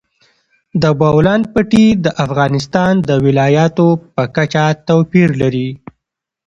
د بولان پټي د افغانستان د ولایاتو په کچه توپیر لري.